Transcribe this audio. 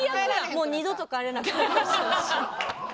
もう二度と帰れなくなりました。